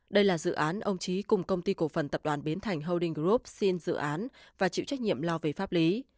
đây là dự án ông trí cùng công ty cổ phần tập đoàn bến thành holding group xin dự án và chịu trách nhiệm lo về pháp lý